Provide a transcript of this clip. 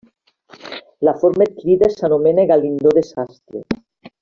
La forma adquirida s'anomena galindó de sastre.